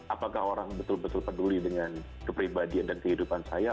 apakah orang betul betul peduli dengan kepribadian dan kehidupan saya